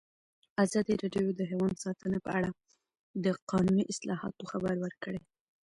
ازادي راډیو د حیوان ساتنه په اړه د قانوني اصلاحاتو خبر ورکړی.